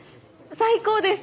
最高です！